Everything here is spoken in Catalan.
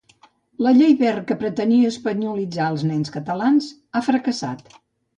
La llei Wert, que pretenia espanyolitzar els nens catalans, ha fracassat.